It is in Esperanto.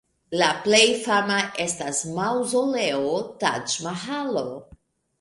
La plej fama estas maŭzoleo Taĝ-Mahalo.